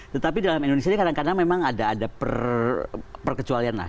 tetapi dalam indonesia ini kadang kadang memang ada perkecualian lah